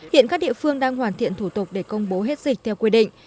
hiện các địa phương đang hoàn thiện thủ tục để công bố hết dịch theo quy định